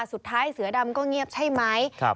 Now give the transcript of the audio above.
สุดท้ายเสือดำก็เงียบใช่ไหมครับ